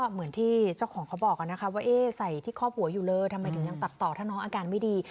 เหมือนที่เจ้าของเขาบอกนะคะว่าใส่ที่คอบหัวอยู่เลยทำไมถึงยังตัดต่อถ้าน้องอาการไม่ดี